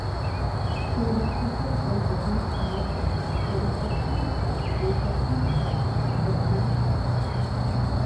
Лъы уэтэхэр лӏэужьыгъуищ мэхъур: эритроцитхэр, лейкоцитхэр, тромбоцитхэр.